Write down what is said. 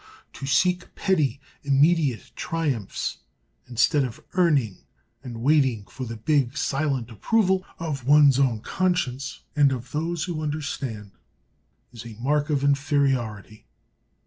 To seek petty, immediate triumphs instead of earning and waiting for the big, silent approval of one's own conscience and of those who understand, is a mark of inferiority.